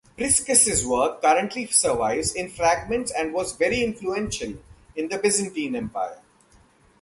Priscus's work currently survives in fragments and was very influential in the Byzantine Empire.